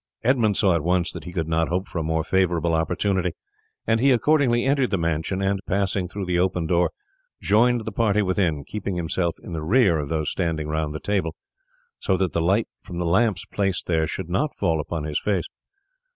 Edmund saw at once that he could not hope for a more favourable opportunity, and he accordingly entered the mansion, and, passing through the open door, joined the party within, keeping himself in rear of those standing round the table, so that the light from the lamps placed there should not fall upon his face.